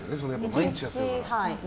毎日やってるから。